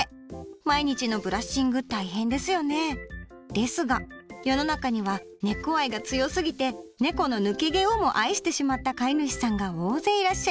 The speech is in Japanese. ですが世の中にはねこ愛が強すぎてねこの抜け毛をも愛してしまった飼い主さんが大勢いらっしゃいます。